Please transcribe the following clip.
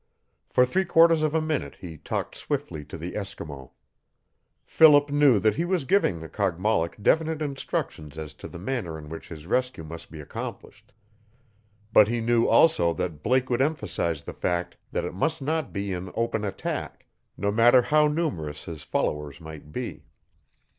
For three quarters of a minute he talked swiftly to the Eskimo. Philip knew that he was giving the Kogmollock definite instructions as to the manner in which his rescue must be accomplished. But he knew also that Blake would emphasize the fact that it must not be in open attack, no matter how numerous his followers might be.